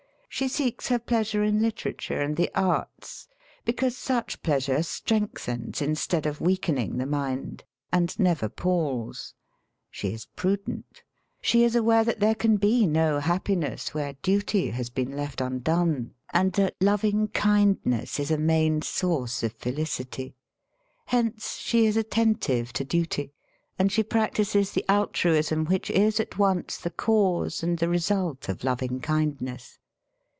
She seeks her pleasure in literature and the arts because such pleasure strengthens instead of weakening the mind, and never palls. She is pru dent. She is aware that there can be no happi ness where duty has been left undone, and that RUNNING AWAY FROM LIFE 18 loving kindness is a main source of felicity. Hence she is attentive to duty^ and she practises the altruism which is at once the cause and the result of loving kindness.